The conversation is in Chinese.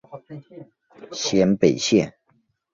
咸北线